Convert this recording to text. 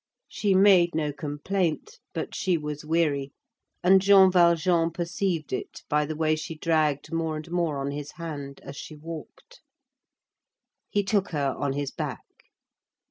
She made no complaint, but she was weary, and Jean Valjean perceived it by the way she dragged more and more on his hand as she walked. He took her on his back.